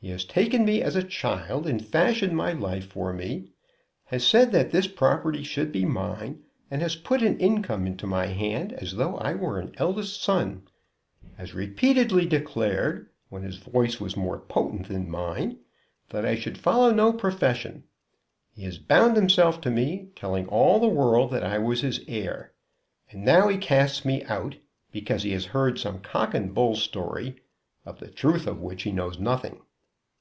He has taken me as a child and fashioned my life for me; has said that this property should be mine, and has put an income into my hand as though I were an eldest son; has repeatedly declared, when his voice was more potent than mine, that I should follow no profession. He has bound himself to me, telling all the world that I was his heir. And now he casts me out because he has heard some cock and bull story, of the truth of which he knows nothing.